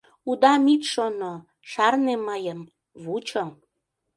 Удам ит шоно, шарне мыйым, вучо.